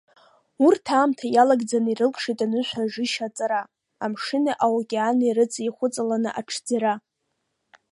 Урҭ аамҭа иалагӡан ирылшеит анышә ажышьа аҵара, амшыни аокеани рыҵа ихәыҵаланы аҽӡара.